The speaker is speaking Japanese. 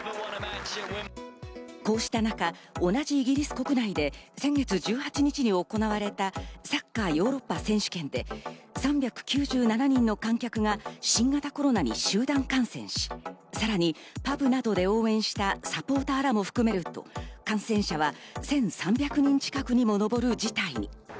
こうした中、同じイギリス国内で先月１８日に行われたサッカーヨーロッパ選手権で３９７人の観客が新型コロナに集団感染し、さらにパブなどで応援したサポーターらも含めると、感染者は１３００人近くにも上る自体に。